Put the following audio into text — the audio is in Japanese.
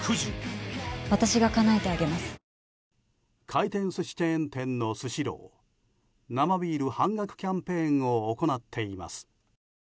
回転寿司チェーン店のスシロー生ビール半額キャンペーンを行っています。